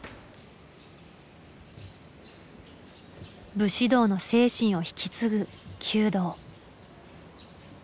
武士道の精神を引き継ぐ弓道。